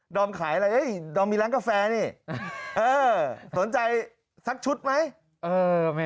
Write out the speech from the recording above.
อมขายอะไรดอมมีร้านกาแฟนี่สนใจสักชุดไหม